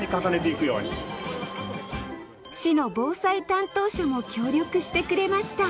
市の防災担当者も協力してくれました